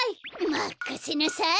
まかせなさい！